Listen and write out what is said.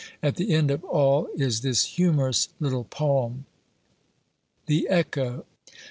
At the end of all is this humorous little poem. THE ECHO.